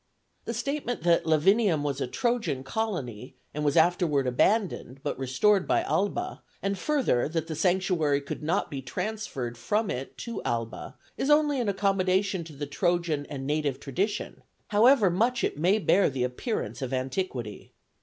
The statement that Lavinium was a Trojan colony and was afterward abandoned, but restored by Alba, and further that the sanctuary could not be transferred from it to Alba, is only an accommodation to the Trojan and native tradition, however much it may bear the appearance of antiquity.